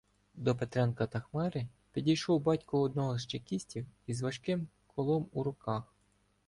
До Петренка та Хмари підійшов батько одного з чекістів із важким колом у руках.